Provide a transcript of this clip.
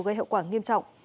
gây hậu quả nghiêm trọng